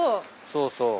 そうそう。